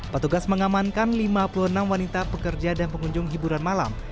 petugas mengamankan lima puluh enam wanita pekerja dan pengunjung hiburan malam